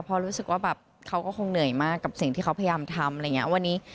พอรู้สึกว่าแบบเขาก็คงเหนื่อยมากกับสิ่งที่เขาพยายามทำอะไรอย่างนี้วันนี้